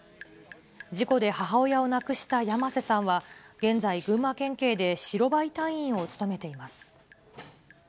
事故で母親を亡くした山瀬さんは、現在、群馬県警で白バイ隊員を務めています。